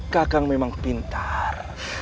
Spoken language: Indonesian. kakang memang pintar